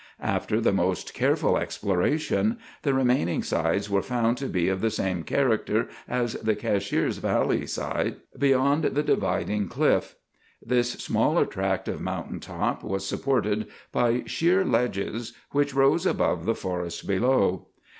After the most careful exploration, the remaining sides were found to be of the same character as the Cashiers valley side beyond the dividing cliff. This smaller tract of mountain top was supported by sheer ledges which rose above the forest below.